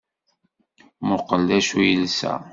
Mmuqqel d acu i yelsa!